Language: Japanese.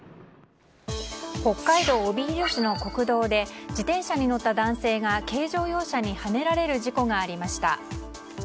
北海道帯広市の国道で自転車に乗った男性が軽乗用車にはねられる事故がありました。